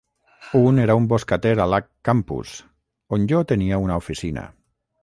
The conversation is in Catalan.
Un era un boscater a l'Ag campus, on jo tenia una oficina.